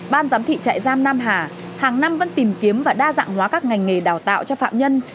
ban giám thị trại giam nam hà hàng năm vẫn tìm kiếm và đa dạng hóa các ngành nghề đào tạo cho phạm nhân